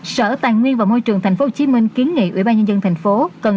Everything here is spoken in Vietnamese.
sở tài nguyên và môi trường tp hcm kiến nghị ủy ban nhân dân tp hcm